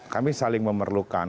kami saling memerlukan